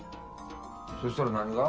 そしたら何か？